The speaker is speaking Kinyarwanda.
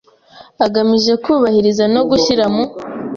agamije kubahiriza no gushyira mu